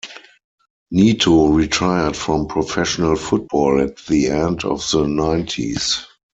Neto retired from professional football at the end of the nineties.